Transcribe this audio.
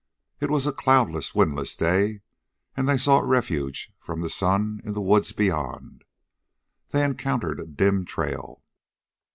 It was a cloudless, windless day, and they sought refuge from the sun in the woods beyond. They encountered a dim trail.